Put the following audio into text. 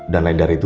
dan lain dari itu